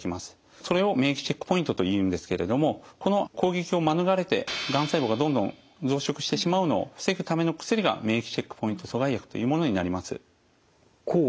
それを免疫チェックポイントというんですけれどもこの攻撃を免れてがん細胞がどんどん増殖してしまうのを防ぐための薬が免疫チェックポイント阻害薬というものになります。